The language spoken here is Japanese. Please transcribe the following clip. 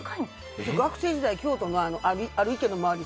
学生時代、京都のある池の周り